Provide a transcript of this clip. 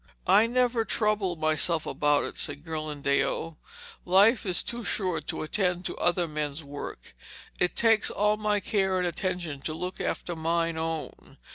'I never trouble myself about it,' said Ghirlandaio. 'Life is too short to attend to other men's work. It takes all my care and attention to look after mine own.